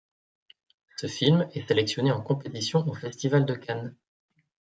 Ce film est sélectionné en compétition au Festival de Cannes.